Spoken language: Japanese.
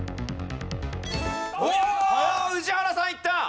おおっ宇治原さんいった！